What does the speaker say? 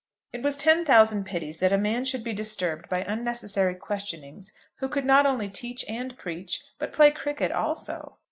It was ten thousand pities that a man should be disturbed by unnecessary questionings who could not only teach and preach, but play cricket also.